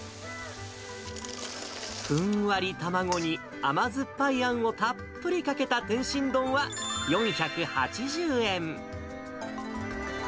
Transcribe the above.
ふんわり卵に、甘酸っぱいあんをたっぷりかけた天津丼は、４８０円。